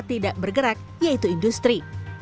tidak bergerak yaitu industri